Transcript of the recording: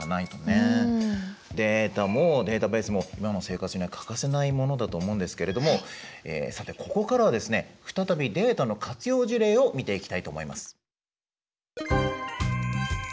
データもデータベースも今の生活には欠かせないものだと思うんですけれどもさてここからはですね再びデータの活用事例を見ていきたいと思います。